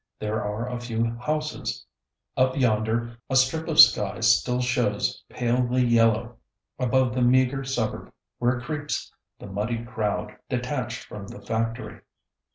There are a few houses. Up yonder a strip of sky still shows palely yellow above the meager suburb where creeps the muddy crowd detached from the factory.